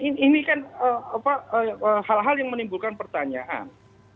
ini kan hal hal yang menimbulkan pertanyaan